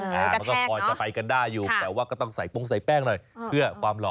กระแทกเนอะคือพอจะไปกันได้อยู่แปลว่าก็ต้องใส่โปรงใส่แป้งหน่อยเพื่อความหล่อ